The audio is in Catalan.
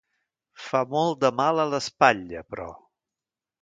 Fa molt de mal a l'espatlla, però.